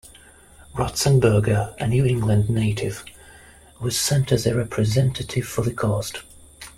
Ratzenberger, a New England native, was sent as a representative for the cast.